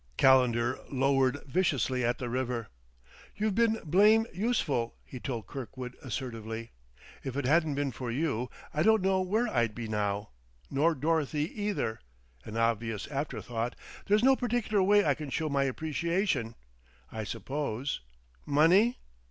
Calendar lowered viciously at the river. "You've been blame' useful," he told Kirkwood assertively. "If it hadn't been for you, I don't know where I'd be now, nor Dorothy, either," an obvious afterthought. "There's no particular way I can show my appreciation, I suppose? Money